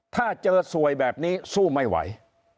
ถ้าเจอสวยแบบนี้สู้ไม่ไหว